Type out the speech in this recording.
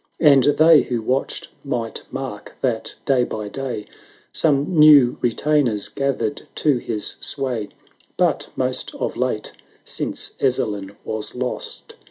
And they who watched might mark that, day by day, Some new retainers gathered to his sway; But most of late, since Ezzelin was lost.